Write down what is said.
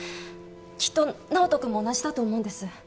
きっと直人君も同じだと思うんです。